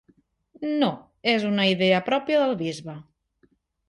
No, és una idea pròpia del bisbe.